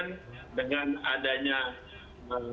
sedang menghadapi pandemi covid sembilan belas